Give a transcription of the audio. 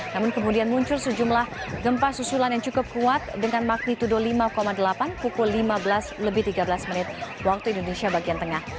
namun kemudian muncul sejumlah gempa susulan yang cukup kuat dengan magnitudo lima delapan pukul lima belas lebih tiga belas menit waktu indonesia bagian tengah